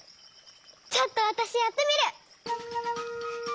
ちょっとわたしやってみる！